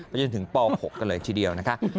จนถึงป๖กันเลยทีเดียวนะคะ